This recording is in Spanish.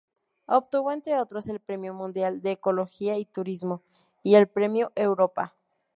Obtuvo, entre otros, el Premio Mundial de Ecología y Turismo y el Premio Europa.